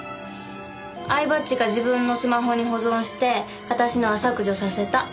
饗庭っちが自分のスマホに保存して私のは削除させた。